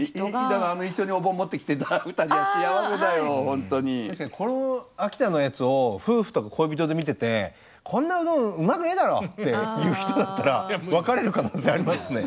確かにこの秋田のやつを夫婦とか恋人で見てて「こんなうどんうまくねえだろ」って言う人だったら別れる可能性ありますね。